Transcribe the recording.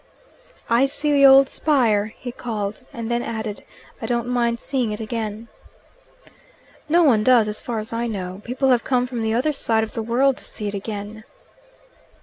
"I see the old spire," he called, and then added, "I don't mind seeing it again." "No one does, as far as I know. People have come from the other side of the world to see it again."